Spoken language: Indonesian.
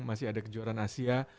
masih ada kejuaraan asia